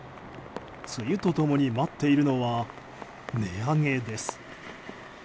梅雨と共に待っているのは値上げです。